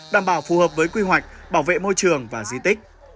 đảm bảo phù hợp với quy hoạch bảo vệ môi trường và di tích